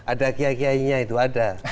ada kiai kiainya itu ada